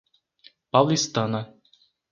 Paulistana